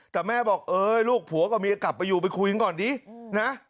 แต่แม่บอกลูกผัวก็มีกลับไปอยู่ไปคุยก่อนดินะ